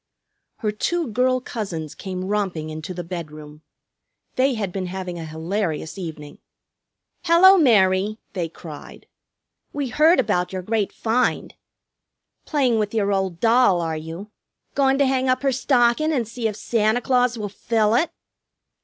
Her two girl cousins came romping into the bedroom. They had been having a hilarious evening. "Hello, Mary!" they cried. "We heard about your great find!" "Playing with your old doll, are you? Goin' to hang up her stockin' and see if Santa Claus will fill it?"